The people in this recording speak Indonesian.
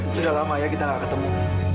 sudah lama ya kita nggak ketemu